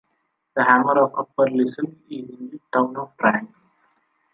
The hamlet of Upper Lisle is in the town of Triangle.